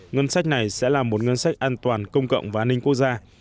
ngân sách này sẽ là một ngân sách an toàn công cộng và an ninh quốc gia